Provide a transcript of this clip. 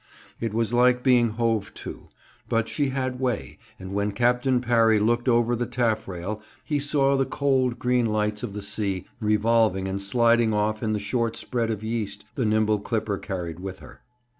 It was like being hove to; but she had way, and when Captain Parry looked over the taffrail, he saw the cold, green lights of the sea revolving and sliding off in the short spread of yeast the nimble clipper carried with her.